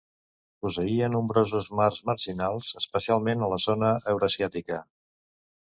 Posseïa nombrosos mars marginals, especialment a la zona eurasiàtica.